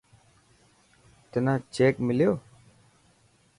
تنا چيڪ مليو.